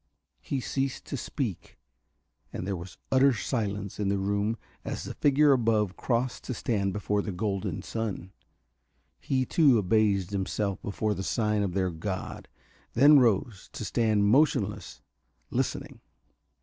He ceased to speak, and there was utter silence in the room as the figure above crossed to stand before the golden sun. He too abased himself before the sign of their god, then rose, to stand motionless, listening....